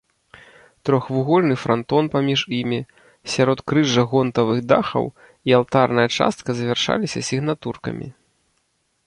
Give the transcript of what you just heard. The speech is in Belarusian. Трохвугольны франтон паміж імі, сяродкрыжжа гонтавых дахаў і алтарная частка завяршаліся сігнатуркамі.